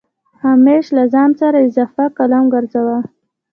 همېش له ځان سره اضافه قلم ګرځوه